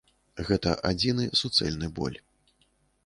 Гэта адзіны суцэльны боль.